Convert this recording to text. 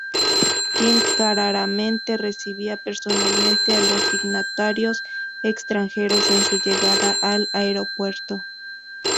Kim raramente recibía personalmente a los dignatarios extranjeros en su llegada al aeropuerto.